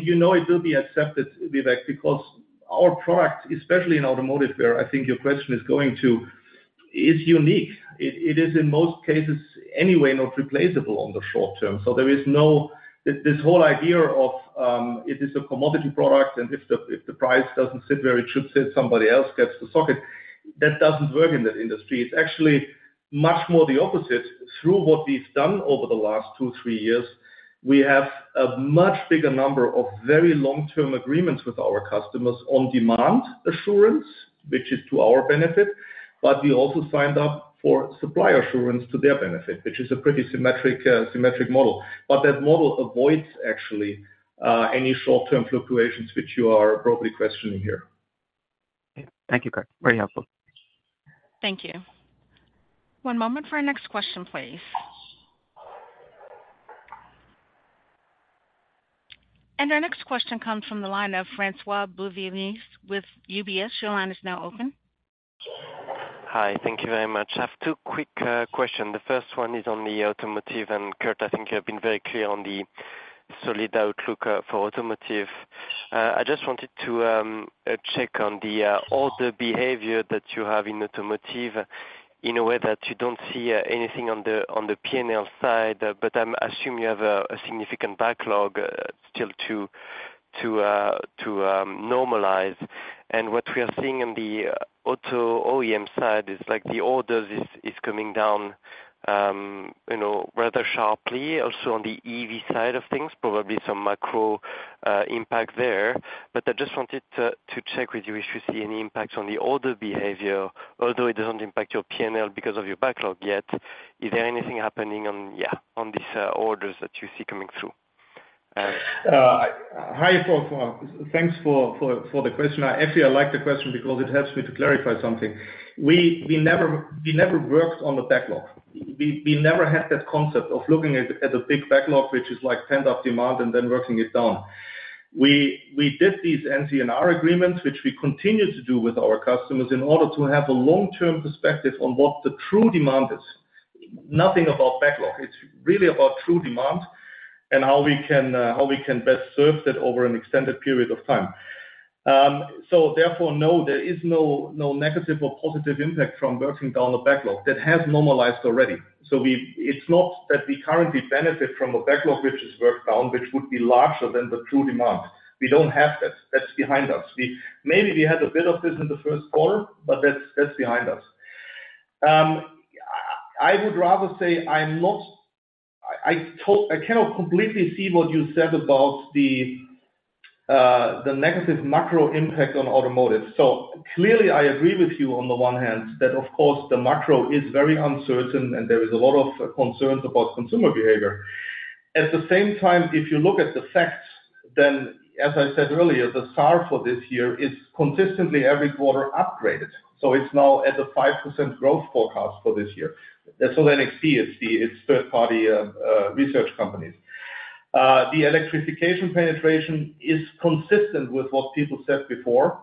You know, it will be accepted, Vivek, because our product, especially in automotive, where I think your question is going to, is unique. It is, in most cases, anyway, not replaceable on the short term. There is no... This whole idea of, it is a commodity product, and if the, if the price doesn't sit where it should sit, somebody else gets the socket. That doesn't work in that industry. It's actually much more the opposite. Through what we've done over the last two, three years, we have a much bigger number of very long-term agreements with our customers on demand assurance, which is to our benefit, but we also signed up for supply assurance to their benefit, which is a pretty symmetric model. That model avoids, actually, any short-term fluctuations, which you are appropriately questioning here. Thank you, Kurt. Very helpful. Thank you. One moment for our next question, please. Our next question comes from the line of François-Xavier Bouvignies with UBS. Your line is now open. Hi, thank you very much. I have 2 quick questions. The first one is on the automotive, Kurt, I think you have been very clear on the solid outlook for automotive. I just wanted to check on the order behavior that you have in automotive in a way that you don't see anything on the P&L side, but I'm assume you have a significant backlog still to normalize. What we are seeing on the auto OEM side is the orders is coming down, you know, rather sharply. Also on the EV side of things, probably some macro impact there. I just wanted to check with you if you see any impact on the order behavior, although it doesn't impact your P&L because of your backlog yet. Is there anything happening on, yeah, on these orders that you see coming through? Hi, François. Thanks for the question. I actually, I like the question because it helps me to clarify something. We never worked on the backlog. We never had that concept of looking at a big backlog, which is like pent-up demand and then working it down. We did these NCNR agreements, which we continue to do with our customers in order to have a long-term perspective on what the true demand is. Nothing about backlog. It's really about true demand and how we can best serve that over an extended period of time. Therefore, no, there is no negative or positive impact from working down the backlog. That has normalized already. It's not that we currently benefit from a backlog which is worked down, which would be larger than the true demand. We don't have that. That's behind us. Maybe we had a bit of this in the first quarter, but that's behind us. I would rather say I cannot completely see what you said about the negative macro impact on automotive. Clearly I agree with you on the one hand, that of course, the macro is very uncertain and there is a lot of concerns about consumer behavior. At the same time, if you look at the facts, as I said earlier, the SAAR for this year is consistently every quarter upgraded, so it's now at a 5% growth forecast for this year. That's NXP, it's the third-party research companies. The electrification penetration is consistent with what people said before.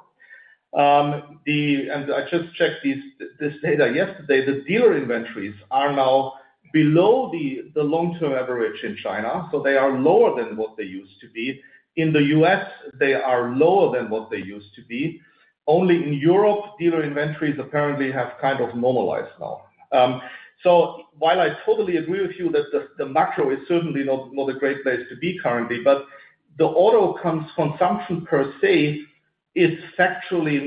I just checked this data yesterday, the dealer inventories are now below the long-term average in China, so they are lower than what they used to be. In the U.S., they are lower than what they used to be. Only in Europe, dealer inventories apparently have kind of normalized now. While I totally agree with you that the macro is certainly not a great place to be currently, but the auto consumption per se, is factually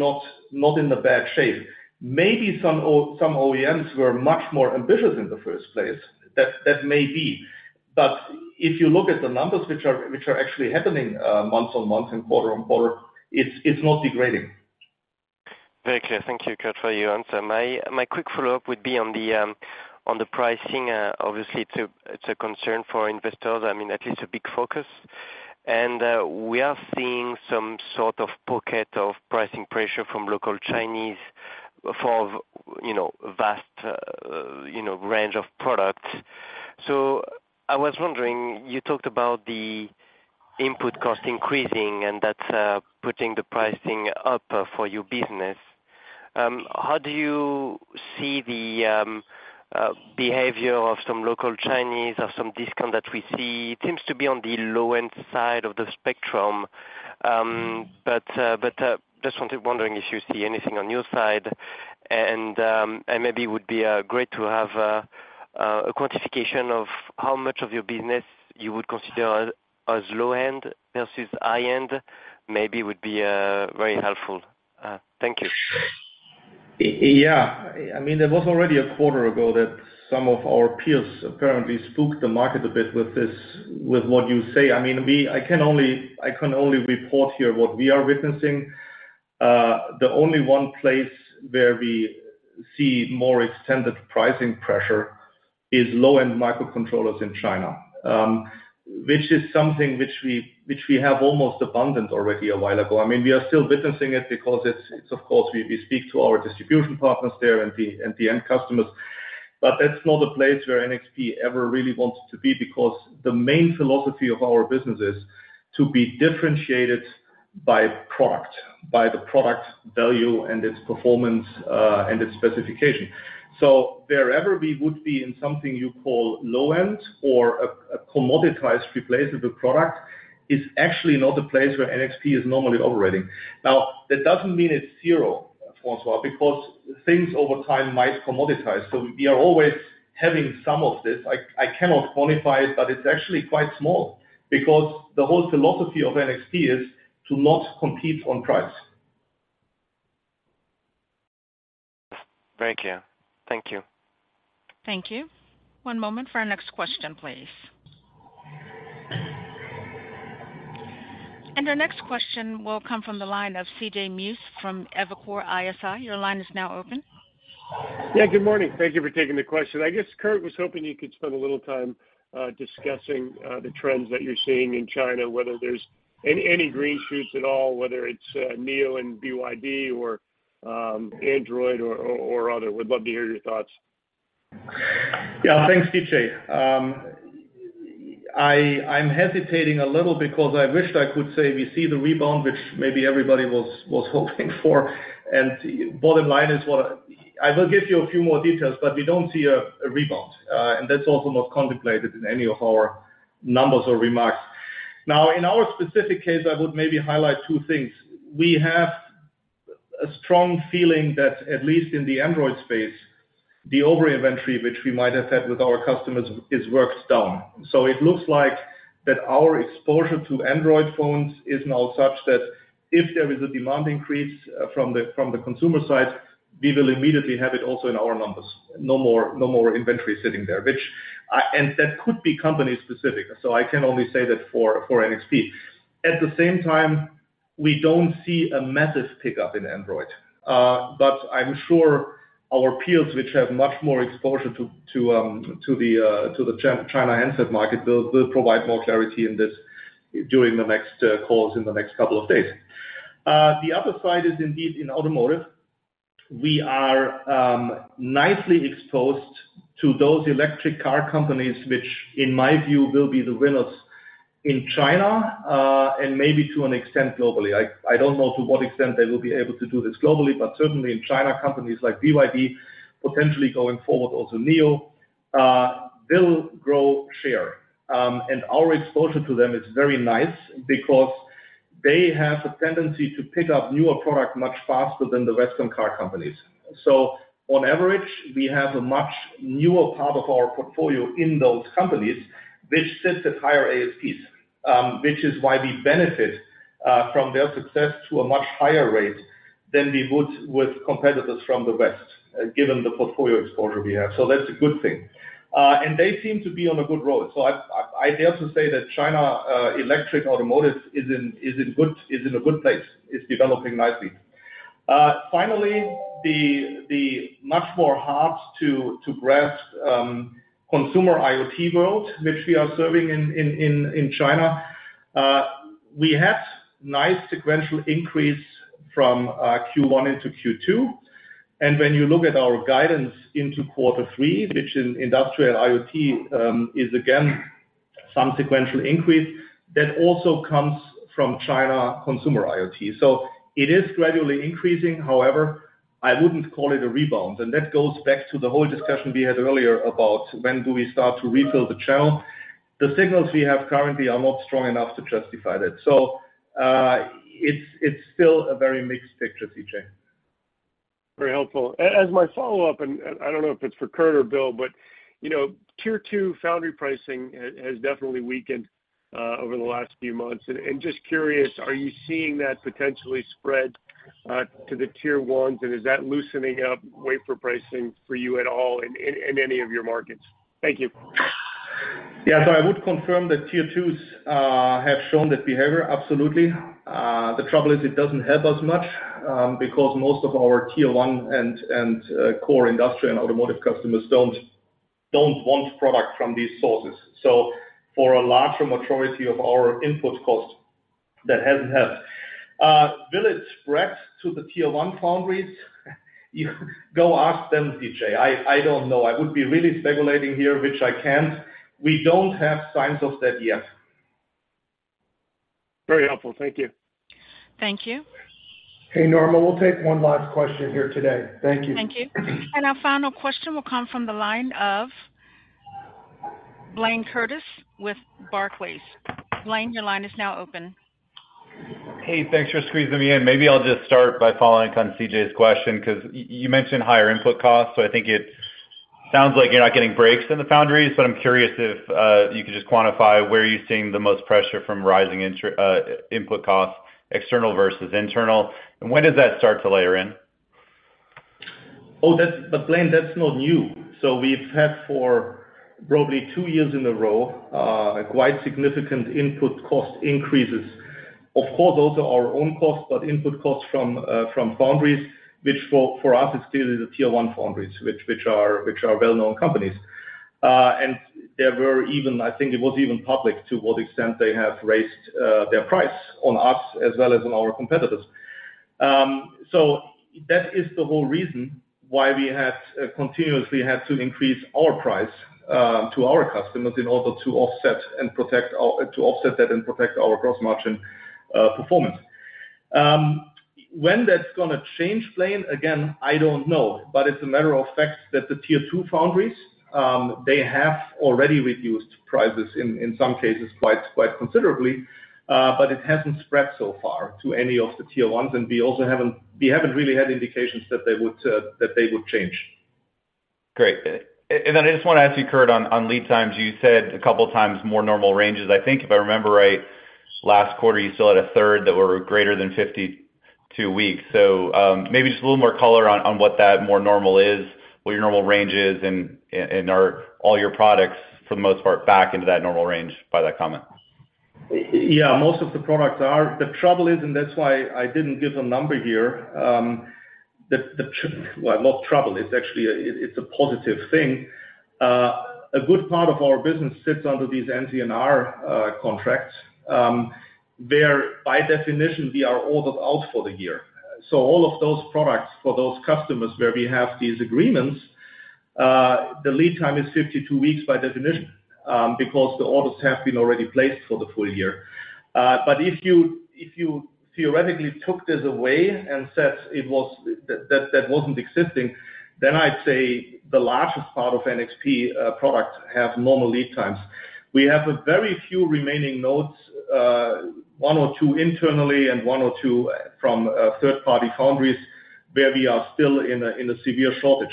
not in the bad shape. Maybe some OEMs were much more ambitious in the first place. That may be. If you look at the numbers which are actually happening, month-on-month and quarter-on-quarter, it's not degrading. Very clear. Thank you, Kurt, for your answer. My quick follow-up would be on the pricing. Obviously, it's a concern for investors, I mean, at least a big focus. We are seeing some sort of pocket of pricing pressure from local Chinese for, you know, vast, you know, range of products. I was wondering, you talked about the input cost increasing, and that's putting the pricing up for your business. How do you see the behavior of some local Chinese or some discount that we see? It seems to be on the low-end side of the spectrum, but just wondering if you see anything on your side. Maybe it would be great to have a quantification of how much of your business you would consider as low end versus high end, maybe would be very helpful. Thank you. I mean, it was already a quarter ago that some of our peers apparently spooked the market a bit with this, with what you say. I mean, I can only report here what we are witnessing. The only one place where we see more extended pricing pressure is low-end microcontrollers in China, which is something which we have almost abandoned already a while ago. I mean, we are still witnessing it because it's of course, we speak to our distribution partners there and the end customers, but that's not a place where NXP ever really wanted to be, because the main philosophy of our business is to be differentiated by product, by the product value, and its performance and its specification. Wherever we would be in something you call low-end or a commoditized replaceable product, is actually not a place where NXP is normally operating. That doesn't mean it's zero, François, because things over time might commoditize, so we are always having some of this. I cannot quantify it, but it's actually quite small, because the whole philosophy of NXP is to not compete on price. Thank you. Thank you. Thank you. One moment for our next question, please. Our next question will come from the line of C.J. Muse from Evercore ISI. Your line is now open. Yeah, good morning. Thank you for taking the question. I guess, Kurt, was hoping you could spend a little time discussing the trends that you're seeing in China, whether there's any green shoots at all, whether it's NIO and BYD or Android or other. Would love to hear your thoughts. Yeah, thanks, C.J. I'm hesitating a little because I wished I could say we see the rebound, which maybe everybody was hoping for. Bottom line is I will give you a few more details, but we don't see a rebound, and that's also not contemplated in any of our numbers or remarks. In our specific case, I would maybe highlight two things. We have a strong feeling that at least in the Android space, the over inventory, which we might have had with our customers, is worked down. It looks like that our exposure to Android phones is now such that if there is a demand increase from the consumer side, we will immediately have it also in our numbers. No more inventory sitting there, which, that could be company specific, so I can only say that for NXP. At the same time, we don't see a massive pickup in Android, I'm sure our peers, which have much more exposure to the China handset market, will provide more clarity in this during the next calls in the next couple of days. The other side is indeed in automotive. We are nicely exposed to those electric car companies, which, in my view, will be the winners in China, and maybe to an extent, globally. I don't know to what extent they will be able to do this globally, certainly in China, companies like BYD, potentially going forward, also NIO, they'll grow share. Our exposure to them is very nice because they have a tendency to pick up newer product much faster than the Western car companies. On average, we have a much newer part of our portfolio in those companies, which sits at higher ASPs, which is why we benefit from their success to a much higher rate than we would with competitors from the West, given the portfolio exposure we have. That's a good thing. They seem to be on a good road. I dare to say that China electric automotive is in a good place. It's developing nicely. Finally, the much more hard to grasp consumer IoT world, which we are serving in China. We had nice sequential increase from Q1 into Q2. When you look at our guidance into quarter 3, which in industrial IoT, is again, some sequential increase, that also comes from China consumer IoT. It is gradually increasing. However, I wouldn't call it a rebound, and that goes back to the whole discussion we had earlier about when do we start to refill the channel? The signals we have currently are not strong enough to justify that. It's still a very mixed picture, C.J. Very helpful. As my follow-up, and I don't know if it's for Kurt or Bill, but, you know, tier two foundry pricing has definitely weakened over the last few months. Just curious, are you seeing that potentially spread to the tier ones? Is that loosening up wafer pricing for you at all in any of your markets? Thank you. I would confirm that tier twos have shown that behavior, absolutely. The trouble is it doesn't help us much because most of our tier one and core industrial and automotive customers don't want product from these sources. For a larger majority of our input costs, that hasn't helped. Will it spread to the tier one foundries? Go ask them, CJ. I don't know. I would be really speculating here, which I can't. We don't have signs of that yet. Very helpful. Thank you. Thank you. Hey, Norma, we'll take one last question here today. Thank you. Thank you. Our final question will come from the line of Blayne Curtis with Barclays. Blayne, your line is now open. Hey, thanks for squeezing me in. Maybe I'll just start by following up on C.J.'s question, 'cause you mentioned higher input costs, so I think it sounds like you're not getting breaks in the foundries. I'm curious if you could just quantify where you're seeing the most pressure from rising input costs, external versus internal, and when does that start to layer in? That's not new. We've had for probably 2 years in a row, a quite significant input cost increases. Of course, those are our own costs, but input costs from foundries, which for us, it's still the tier one foundries, which are well-known companies. There were even, I think it was even public, to what extent they have raised their price on us as well as on our competitors. That is the whole reason why we had continuously had to increase our price to our customers in order to offset that and protect our gross margin performance. When that's gonna change, Blayne, again, I don't know. It's a matter of fact that the tier two foundries, they have already reduced prices in some cases quite considerably, but it hasn't spread so far to any of the tier ones. We also haven't really had indications that they would, that they would change. Great. Then I just want to ask you, Kurt, on lead times. You said a couple of times more normal ranges. I think, if I remember right, last quarter, you still had a third that were greater than 52 weeks. Maybe just a little more color on what that more normal is, what your normal range is, and are all your products, for the most part, back into that normal range by that comment? Yeah, most of the products are. The trouble is, and that's why I didn't give a number here, well, not trouble, it's actually a, it's a positive thing. A good part of our business sits under these NCNR contracts, where by definition, we are ordered out for the year. All of those products for those customers where we have these agreements, the lead time is 52 weeks by definition, because the orders have been already placed for the full year. If you theoretically took this away and said it was, that wasn't existing, then I'd say the largest part of NXP product have normal lead times. We have a very few remaining nodes, one or two internally and one or two from, third-party foundries, where we are still in a severe shortage.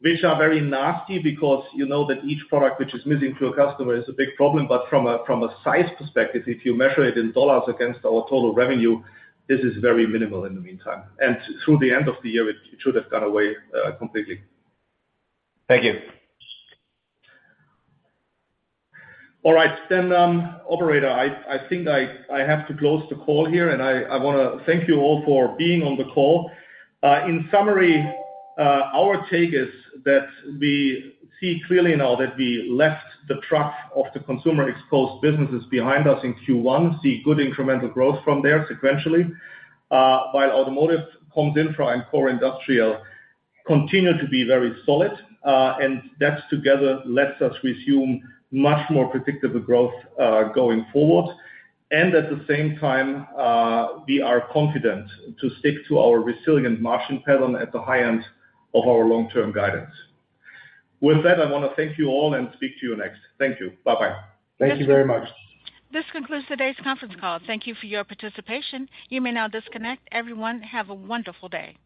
Which are very nasty because you know that each product which is missing to a customer is a big problem, but from a size perspective, if you measure it in $ against our total revenue, this is very minimal in the meantime, and through the end of the year, it should have gone away completely. Thank you. All right, then, operator, I think I have to close the call here, and I want to thank you all for being on the call. In summary, our take is that we see clearly now that we left the truck of the consumer-exposed businesses behind us in Q1, see good incremental growth from there sequentially. While automotive, comms, infra, and core industrial continue to be very solid, and that together lets us resume much more predictable growth, going forward. At the same time, we are confident to stick to our resilient margin pattern at the high end of our long-term guidance. With that, I want to thank you all and speak to you next. Thank you. Bye-bye. Thank you very much. This concludes today's conference call. Thank you for your participation. You may now disconnect. Everyone, have a wonderful day.